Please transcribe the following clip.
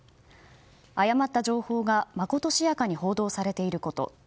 誤った情報がまことしやかに報道されていること。